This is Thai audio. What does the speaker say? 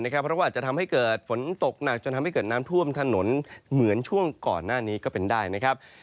เพราะว่าอาจจะทำให้เกิดฝนตกหนักจนทำให้เกิดน้ำท่วมถนนเหมือนช่วงก่อนหน้านี้ก็เป็นได้นะครับ